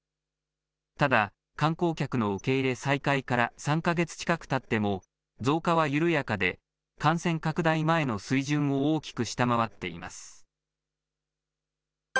ただ、観光客の受け入れ再開から３か月近くたっても、増加は緩やかで、感染拡大前の水準を大きく下回っています。